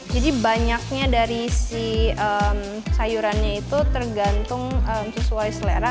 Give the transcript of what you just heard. jadi banyaknya dari si sayurannya itu tergantung sesuai selera